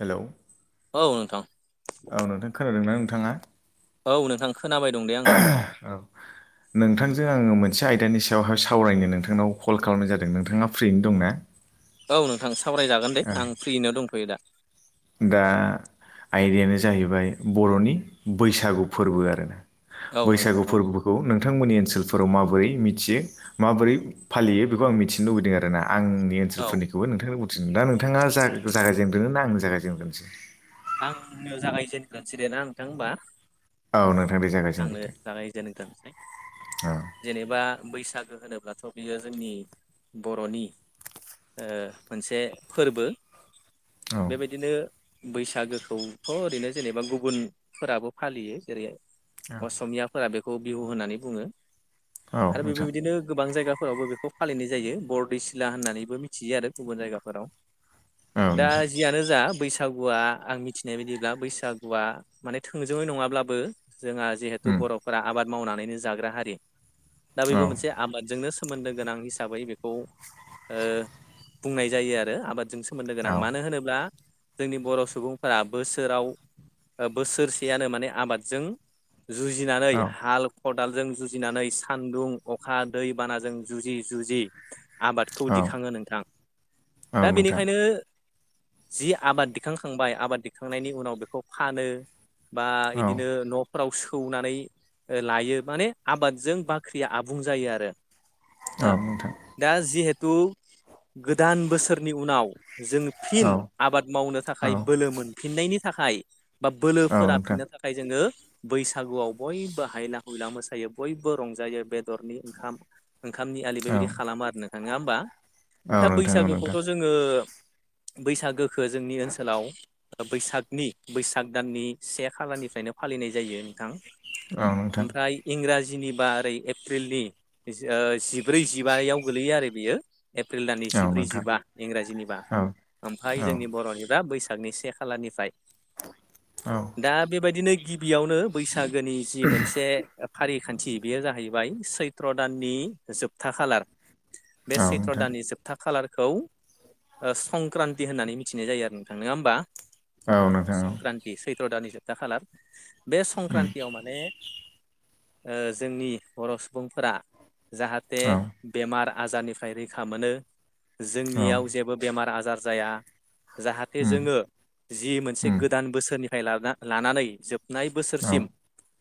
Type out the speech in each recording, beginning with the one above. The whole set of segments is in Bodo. हेल' औ नोंथां। औ नोंथां खोनादोंना नोंथाङा औ नोंथां खोनाबाय दं दे आङो थांजों आङो मोनसे आयदानि सायावहाय सावरायनो नोंथांनाव कल खालामनाय जादों नोंथाङा फ्रिनो दंना औ नोंथां सावरायजागोन दे औ आं फ्रियैनो दंथ'यो दा। दा आयदायानो जाहैबाय बर'नि बैसागु फोरबो आरोना। औ नोंथां बैसागु औ फोरबोखौ नों नोंथांमोननि ओनसोलफोराव माबोरै मिथियो माबोरै फालियो बेखौ आं मिथिनो लुबैदों आरो ना आंनि औ ओनसोलफोरनिखौबो नोंथांनो बुंथिनो दा नोंथाङा जागाय जेनगोन ना आंनो जागायजेनग्रोनोसै। आंनो जागायजेगोरनोसै दे ना नोंथां होमबा। औ नोंथां बे आंनो जायग्रोदों जागायजेनग्रोनोसै जेनेबा बैसागो होनोब्लाथ' बियो जोंनि बर'नि ओ मोनसे फोरबो। बेबायदिनो बैसाग बैसागोखौथ' ओरैनो जेनेबा गुबुनफोराबो फालियो जेरै औ असमियाफोरा बेखौ खौ बिहु होननानै बुङो औ आरो बेफोर नोंथां बायदिनो गोबां जायगा फोरावबो बेखौ फालिनाय जायो बरदैसिला होननानैबो मिथियो आरो गुबुन जायगाफोराव। औ दा नोंथां जियानो जा बैसागुवा आं मिथिनाय बायदिब्ला बैसागुआ माने थोंजोङै नङाब्लाबो जोंहा जिहेथु उम बर'फोरा आबाद मावनानैनो जाग्रा हारि दा बेबो मोनसे औ आबादजोंनो सोमोन्दो गोनां हिसाबै बेखौ ओ बुंनाय जायो आरो आबादजों सोमोन्दो गोनां औ मानो होनोब्ला जोंनि बर' सुबुं फोरा बोसोराव बोसोरसेयानो माने आबादजों जुजिनानै औ हाल खदालजों जुजिनानै सानदुं अखा दै बानाजों जुजि जुजि आबादखौ दिखाङो नोंथां औ दा नोंथां बेनिखायनो जि आबाद दिखांखांबाय आबाद दिखांनायनि उनाव बेखौ फानो बा औ इदिनो न' फोराव सौनानै लायो माने आबादजों बाख्रिया आबुं जायो आरो औ हा नोंथां दा जिहेथु गोदान बोसोरनि उनाव जों फिन औ आबाद मावनो औ थाखाय बोलो मोनफिननायनि थाखाय बा बोलो औ नोंथां फोराफिननो थाखाय जोङो बैसागुआव बयबो हायला हुइला मोसायो बयबो रंजायो बे बेदरनि ओंखाम ओंखामनि आलि औ बेबायदि खालामो आरो नोंथांङा होमबा। दा औ नोंथां औ बैसागोखौथ' नोंथां जोङो बैसागोखो जोंनि ओनसोलाव बैसागनि बैसाग दाननि से खालारनिफ्रायनो फालिनाय जायो नोंथां। औ नोंथां ओमफ्राय इंराजि जिनिबा ओरै एप्रिलनि जिब्रै जिबायाव गोलैयो आरो बियो एप्रिल दाननि औ जिब्रै नोंथां जिबा इंराजिनिबा औ ओमफाय औ जोंनि बर'निबा बैसाग नि से खालानिफ्राय औ दा बेबायदिनो गिबियावनो बैसाग सागोनि जि मोनसे फारि खान्थि बेयो जाहैबाय सैथ्र दाननि जोबथा खालार बे औ सैथ्र नोंथां दाननि जोबथा खालारखौ संक्रान्ति होननानै मिथिनाय जायो आरो नोंथां नोङा होमबा औ नोंथां औ संक्रान्ति सैथ्र' दाननि जोबथा खालार बे उम संक्रान्तियाव माने जोंनि बर' सुबुंफोरा जाहाथे औ बेमार आजारनिफ्राय रैखा मोनो औ जोंनियाव जेबो बेमार आजार जाया जाहाथे उम जोङो जि मोनसे उम गोदान बोसोरनि लानानै जोबनाय औ बोसोरसिम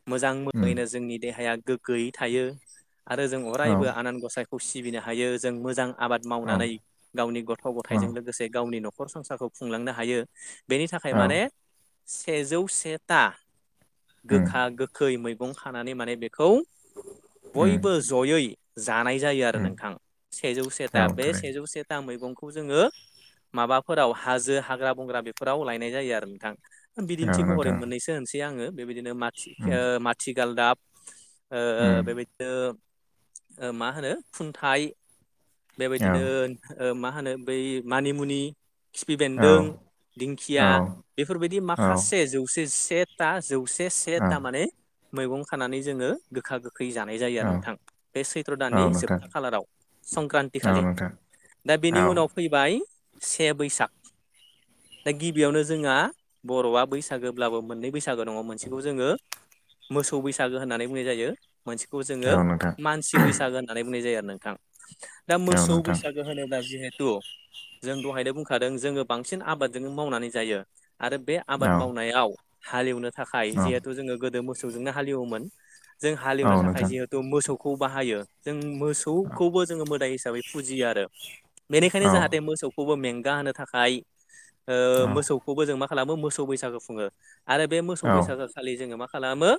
मोजां उम मोजाङैनो जोंनि देहाया गोग्गोयै थायो आरो जों औ अरायबो आनान गसायखौ सिबिनो हायो जों मोजां आबाद मावनानै गावनि गथ' औ गथायजों लोगोसे गावनि न'खर संसारखौ खुंलांनो हायो बेनि थाखाय औ माने सेजौ सेथा उम गोखा गोखै मैगं खानानै माने बे खौ उम बयबो जयै जानाय जायो आरो उम नोंथां सेजौ औ सेथा बे थारै सेजौ सेथा मैगंखौ खौ जोङो माबाफोराव हाजो हाग्रा बंग्रा बेफोराव लायनाय जायो आरो नोंथां औ बिदिन्थि महरै नोंथां मोननैसो होनसै आङो बेबायदिनो उम माथिगाल दाब उम बेबायदिनो मा होनो खुन्थाइ औ बेबायदिनो मा होनो बै मानिमुनि खिफि औ बेन्दों, दिंखिया औ बेफोरबायदि औ माखासे जौसे सेथा जौ से औ था माने मैगं खानानै जोङो गोखा गोखै खै जानाय जायो आरो नोंथां बे सैथ्र' औ दाननि नोंथां जोबथा खालाराव संक्रान्ति औ खालि नोंथां दा बेनि औ उनाव फैबाय से बैसाग दा गिबियावनो जोंहा बर'आ बैसागोब्लाबो मोननै बैसागो दङ मोनसेखौ जोङो मोसौ बैसागो होननानै बुंनाय जायो मोनसेखौ जोङो औ नोंथां मानसि बैसागो होननानै बुंनाय जायो आरो नोंथां दा औ मोसौ नोंथां बैसागो होनोब्ला जिहेतु तु जों दहायनो बुंखादों जोङो बांसिन आबादजोंनो मावनानै जायो आरो बे औ आबाद मावनायाव हालेवनो थाखाय औ जिहेथु जोङो गोदो मोसौजोंनो हालेवोमोन जों औ हालेवनो थाखाय नोंथां जिहेथु मोसौखौ बाहायो जों मोसौ खौबो जोङो मोदाय हिसाबै फुजियो आरो औ बेनिखायनो जाहाथे मोसौखौ में गाहोनो थाखाय औ मोसौखौबो जों मा खालामो मोसौ बैसागु खुङो आरो बे मोसौ औ बैसागो खालि जोङो मा खालामो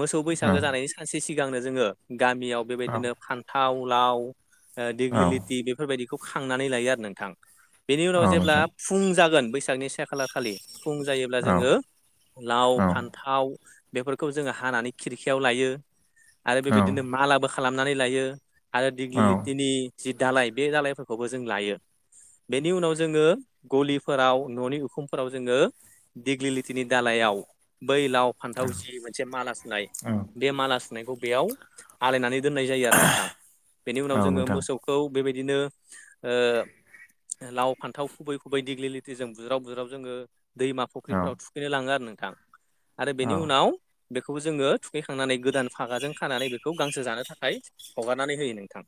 मोसौ औ बैसागो जानायनि सानसे सिगांनो जोङो गामियाव बेबायदिनो फान्थाव लाव औ दिग्लिलिथि बेफोरबायदिखौ खांनानै लायो आरो नोंथां बेनि उनाव औ जेब्ला नोंथां फुं जागोन बैसागनि से खालारखालि फुं जायोब्ला औ जोङो लाव औ फान्थाव बेफोरखौ जोङो हानानै खिरखियाव लायो आरो औ बेबायदिनो मालाबो खालामनानै लायो आरो दिगलि लथिनि जि दालाय बे दालायफोरखौबो जों लायो बेनि उनाव जोङो गलिफोराव न'नि उखुमफोराव जोङो दिग्लिलिथिनि दालायाव बै लाव फान्थाव जि मोनसे माला सुनाय बे माला सुनायखौ बेयाव आलायनानै दोननाय जायो आरो नोंथां औ नोंथां बेनि औ उनाव जोङो नोंथां मोसौखौ बेबायदिनो लाव फान्थाव खुबै खुबै दिग्लि लिथि जों बुज्राव बुज्राव जोङो दैमा फख्रिफोराव औ थुखैनो लाङो आरो नों थां आरो बेनि औ उनाव बेखौबो जोङो थुखैखांनानै गोदान फागाजों खानानै बेखौ गांसो जानो थाखाय हगारनानै होयो नों थां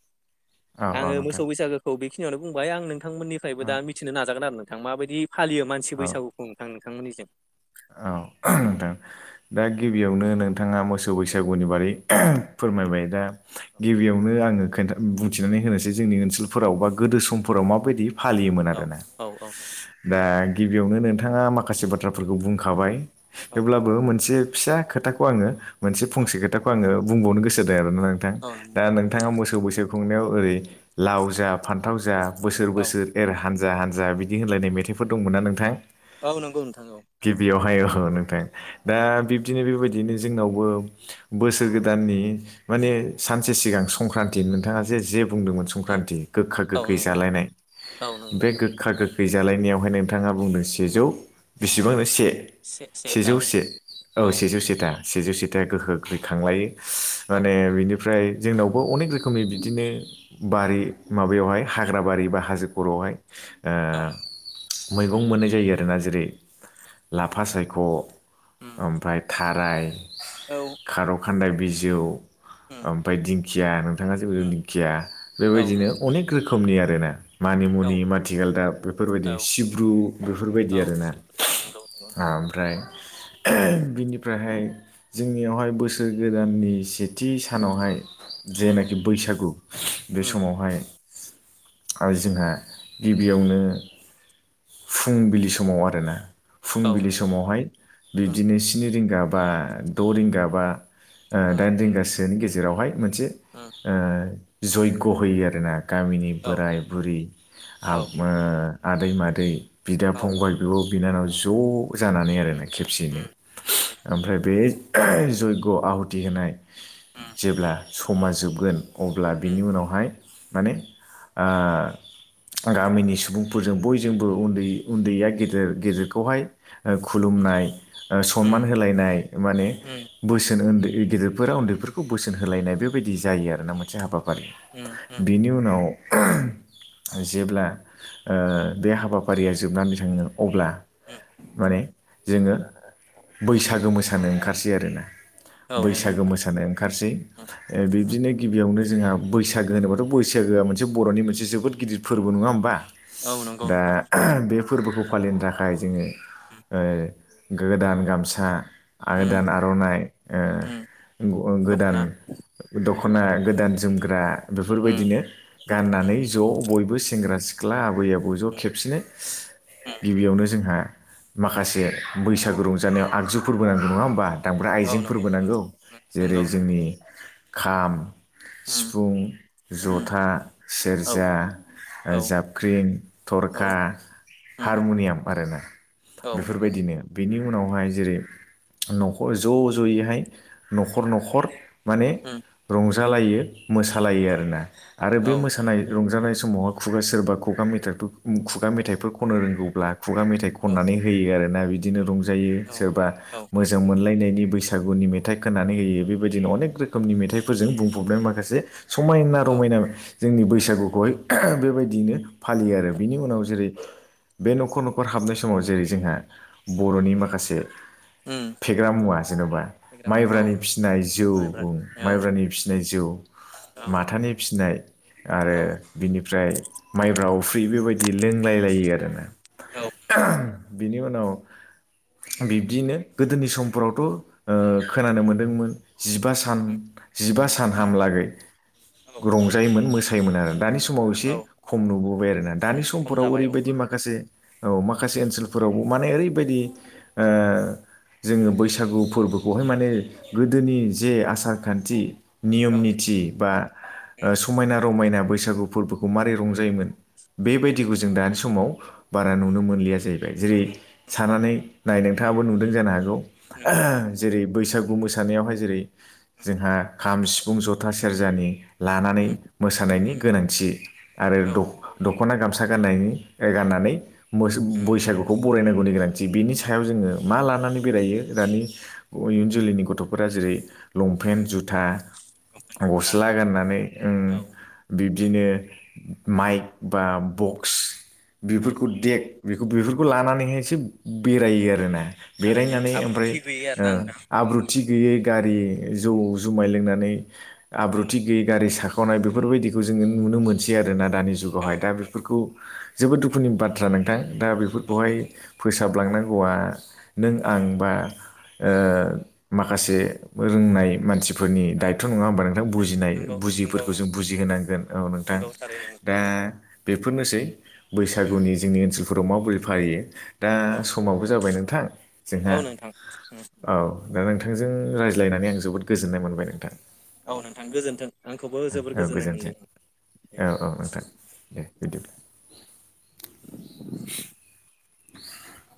औ आङो नोंथां मोसौ बैसागोखौ बेखिनियावनो बुंबाय आं नोंथांमोननिफ्रायबो दा मिथिनो नाजागोन आरो ना माबायदि फालियो मानसि बैसागुखौ नोंथां नोंथांमोननिजों औ नोंथां दा गिबियावनो नोंथाङा मोसौ बैसागुनि बारै फोरमायबाय दा गिबियावनो आङो खोनथा बुंथिनानै होनोसै जोंनि ओनसोलफोराव बा गोदो समफोराव माबायदि फालियोमोन औ आरोना औ औ दा गिबियावनो नोंथाङा माखासे बाथ्राफोरखौ बुंखाबाय औ हेब्लाबो मोनसे फिसा खोथाखौ आङो मोनसे औ फंसे खोथाखौ आङो बुंबावनो गोसो जादों आरो नोंथां औ दा नोंथां नोंथाङा बुंजागोन मोसौ बैसागु खुंनायाव ओरै लाव जा फान्थाव जा बोसोर बोसोर एर हानजा हानजा हान्जा बिदि होनोलायनाय मेथाइफोर दंमोन ना नोंथां औ नंगौ नोंथा औ औ गिबियावहाय औ नोंथा दा बिब्दिनो बेबायदिनो जोंनावबो बोसोर गोदाननि माने सानसे सिगां संक्रान्ति नोंथाङा जे जेब बुंदोंमोन संक्रानथि गोखा औ गोखै नंगौ नोंथां जालायनाय औ नंगौ बे नोंथां गोखा गोखै जालायनायावहाय नोंथाङा बुंदों सेजौ बेसेबां होनदों से सेथा सेजौ से सेजौ औ से औ सेजौ सिथा सेजौ सिथा गोखा गोखै खांलायो औ माने बिदिनो ओमफ्राय जोंनावबो अनेक रोखोमनि बिदिनो बारि माबायावहाय हाग्रा बारि बा हाजो खर' बेवहाय औ मैगं मोननाय जायो आरोना जेरै लाफा सायख' उम ओमफ्राय थाराय औ खार खादखान्दाय बिजौ उम उम ओमफ्राय दिंखिया नाथां जेबो जों दिंखिया औ नंगौ बेबायदिनो नोंथां अनेक रोखोमनि आर ना मानिमुनि औ माथिगालदाब दा बेफोरबायदि औ सिब्रु बेफोरबायदि औ आरोना नंगौ औ औ नंगौ ओमफ्राय बिनिफ्रायहाय जोंनियावहाय बोसोर गोदाननि सेथि थि सानावहाय उम जेनाखि बैसागु बे उम समावहाय आरो जोंहा गिबियावनो फुंबिलि समाव आरोना फुंबिलि समावहाय उम बिब्दिनो स्नि रिंगा बा द' रिंगा बा औ दाइन रिंगासोनि गेजेरावहाय मोनसे जयग्य' होयो आरोना गामिनि उम बोराय बुरि आदै मादै बिदा फंबाय बिब' बिनानाव ज' जानानै आरोना खेबसेयैनो उम ओमफ्राय बे जयग्य आहुथि होनाय उम जेब्ला समा जोबगोन अब्ला बिनि उनावहाय माने ओ गामिनि सुबुंफोरजों बयजोंबो उन्दै उन्दैया गेदेर गेदेरखौ खौहाय उम खुलुमनाय सनमान उम होलायनाय माने उम बोसोन उन्दै गिदिरफोरा उन्दैफोरखौ बोसोन होलायनाय बेबायदि जायो आरो ना मोनसे हाबाफारि उम उम बिनि उनाव जेब्ला बे हाबाफारिया जोबनानै थाङो अब्ला उम माने जोङो बैसागो मोसानो ओंखारसै आरोना औ नंगौ बैसागो नोंथां मोसानाय ओंखारसै उम बिब्दिनो गिबियावनो जोंहा बैसाग बैसागो होनोबाथ' बैसागोआ मोनसे बर'नि मोन जोबोद गिदिर फोरबो नङा होनबा औ नंगौ दा नोंथां बे फोरबोखौ फालिनो थाखाय जोङो उम गोदान गामसा उम गोदान आर'नाइ उम गोदान दख'ना दख'ना गोदान जोमग्रा उम बेफोरबायदिनो उम गाननानै ज' बयबो सेंग्रा सिख्ला सि आबै आबौ ज' खेबसेनो उम गिबियावनो जोंहा माखासे बैसागो रंजानायाव आगजुफोरबो नांगौ नङा होमबा दामग्रा औ नंगौ आइजेंफोरबो नोंथां नांगौ उम जेरै नंगौ नंगौ जोंनि खाम उम सिफुं उम जथा औ सेरजा औ जाबख्रिं थरखा औ उम हारमुनियाम आरोना औ नंगौ बेफोरबायदिनो बिनि उनावहाय जेरै न'खर ज' ज'यैहाय न'खर न'खर माने उम रंजालायो मोसालायो औ आरोना आरो बे औ नंगौ मोसानाय रंजानाय सम समाव खुगा सोरबा खुगा मेथाइफोर खुगा मेथाइफोर खननो रोंगौब्ला खुगा मेथाइ औ खननानै होयो आरो ना बिदिनो रंजायो औ सोरबा औ मोजां मोनलायनायनि नि बैसागुनि मेथाइ खोनानै होयो बेबायदिनो अनेक रोखोमनि मेथाइफोरजों बुंफबनाय माखासे समायना औ रमायना जोंनि बैसागुखौहाय बेबायदियैनो फालियो आरो बिनि उनाव जेरै बे न'खर न'खर नखर हाबनाय समाव जेरै जोंहा बर'नि माखासे उम फेग्रा मुवा जेन'बा एग्राम औ माइब्रानि फिसिनाय जौ माइब्रा औ माइब्रानि फिसिनाय औ ज माथानि फिसिनाय आरो औ बिनि ओमफ्राय माइब्रा अफ्रि बेबायदि लोंलायलायो आरो ना औ बेनि उनाव बिब्दियैनो गोदोनि समफोरावथ' खोनानो मोनदोंमोन जिबा सान उम जिबा सान उम हामलागै औ रंजायोमोन मोसायोमोन आरो दानि समाव समाव एसे औ खम नुबोबाय आरोना दानि खम खम समफोराव जाबाय औ ओरैबायदि माखासे औ माखासे ओनसोलफोरावबो माने ओरैबायदि जोङो बैसागु फोरबोखौहाय माने गोदोनि जे आसार खान्थि नियम औ उम निथि बा समायना रमायना बैसागु फोरबोखौ माबोरै रंजायोमोन उम बेबायदिखौ जों दानि समाव बारा नुनो मोनलिया जाहैबाय जेरै सानानै नाय नोंथाङाबो नुदों जानो हागौ नंगौ नंगौ जेरै बैसागु मोसानायावहाय जेरै जोंहा खाम सिफुं जथा सेरजानि लानानै मोसानायनि उम गोनांथि उम औ आरो दख'ना गामसा गाननायनि गाननानै मोसानाय उम बैसागुखौ बरायनांगौनि गोनांथि बेनि सायाव जोङो मा औ लानानै बेरायो दानि इयुन जोलैनि गथ'फोरा जेरै लंपेन्ट जुथा उम गस्ला गाननानै ओ औ बिब्दिनो उम माइक बा बक्स औ बेफोरखौ देग बे बेफोरखौ लानानैहाय एसे बेरायो आरोना थारैनो बेरायनानै ओमफ्राय आब्रुथि गैयि आरोना नोंथां आब्रुथि गैयै गारि जौ जुमाय लोंनानै आब्रुथि गैयै गारि साखोन गावनाय बेफोरबायदिखौ जोङो नुनो मोनसै आरोना दानि जुगावहाय दा बेफोरखौ जोबोद दुखु दुखुनि बाथ्रा नोंथां दा औ नंगौ बेफोरखौहाय नोंथां। फोसाबलांनांगौआ नों आं बा उम माखासे रोंनाय मानसि फोरनि औ दायथ' नङा होमबा नोंथां दे बुजिनाय नंगौ नंगौ बुजिफोरखौ जों नंगौ बुजिहोनांगोन औ नोंथां नंगौ थारैनो दा नोंथां। बे बेफोरनोसै उम बैसागुनि जोंनि ओनसोलफोराव माबोरै फालियो दा उम समावबो जाबाय नों औ नोंथां औ दा नोंथांजों रायज्लायनानै आं जोबोद गोजोननाय मोनबाय नोंथां औ नोंथां गोजोन्थों आंखौबो जोबोर औ गोजोननाय गोजोन्थों मोनदों औ औ नोंथां दे [unintelligible] [inaudible]